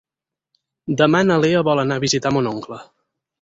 Demà na Lea vol anar a visitar mon oncle.